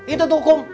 itu tuh kum